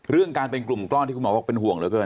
เรื่องการเป็นกลุ่มก้อนที่คุณหมอบอกเป็นห่วงเหลือเกิน